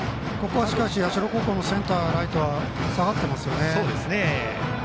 社高校のセンター、ライト下がっていますね。